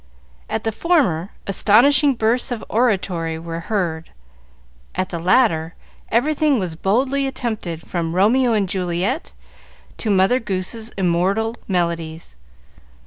At the former, astonishing bursts of oratory were heard; at the latter, everything was boldly attempted, from Romeo and Juliet to Mother Goose's immortal melodies.